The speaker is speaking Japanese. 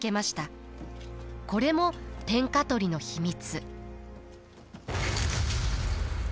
これも天下取りの秘密。